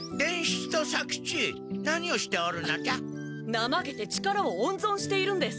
なまけて力をおんぞんしているんです。